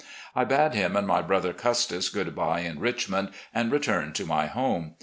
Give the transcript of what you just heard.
I bade him and my brother Custis good bye in Richmond, and returned to my home.